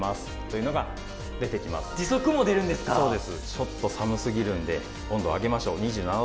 ちょっと寒すぎるので温度を上げましょう。